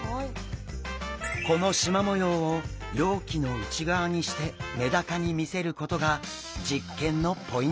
このしま模様を容器の内側にしてメダカに見せることが実験のポイント！